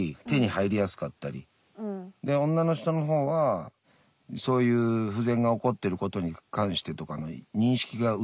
で女の人の方はそういう不全が起こってることに関してとかね認識が薄いよね。